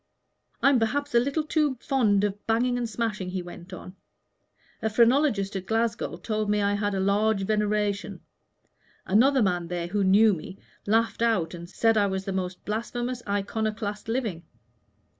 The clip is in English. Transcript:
"I'm perhaps a little too fond of banging and smashing," he went on: "a phrenologist at Glasgow told me I had large veneration; another man there, who knew me, laughed out and said I was the most blasphemous iconoclast living.